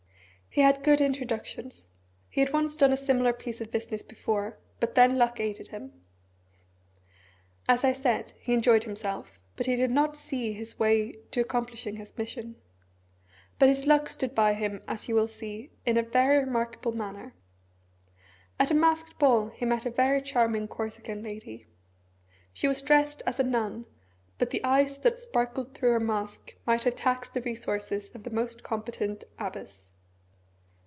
He had good introductions. He had once done a similar piece of business before but then luck aided him. As I said, he enjoyed himself, but he did not see his way to accomplishing his mission. But his luck stood by him, as you will see, in a very remarkable manner. At a masked ball he met a very charming Corsican lady. She was dressed as a nun, but the eyes that sparkled through her mask might have taxed the resources of the most competent abbess.